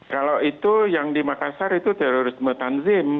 kalau itu yang di makassar itu terorisme tanzim